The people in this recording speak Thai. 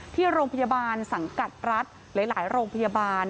ที่โรงพยาบาลสังกัดรัฐหลายโรงพยาบาล